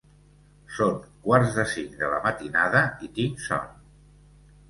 Són quarts de cinc de la matinada i tinc son.